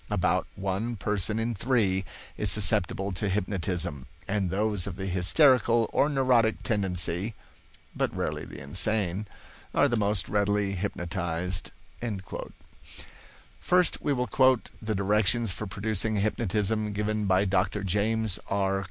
About one person in three is susceptible to hypnotism, and those of the hysterical or neurotic tendency (but rarely the insane) are the most readily hypnotized." First we will quote the directions for producing hypnotism given by Dr. James R.